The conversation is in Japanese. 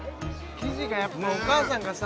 生地がやっぱお母さんがさ